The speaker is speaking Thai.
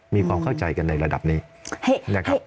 มีความเข้าใจกันในระดับนี้นะครับ